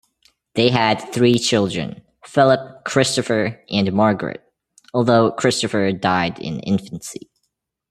They had three children, Philip, Christopher and Margaret - although Christopher died in infancy.